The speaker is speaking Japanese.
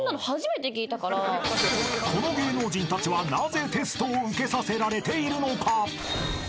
［この芸能人たちはなぜテストを受けさせられているのか？］